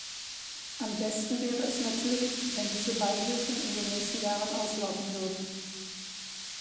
Am besten wäre es natürlich, wenn diese Beihilfen in den nächsten Jahren auslaufen würden.